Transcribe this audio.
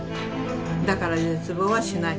だから絶望はしない。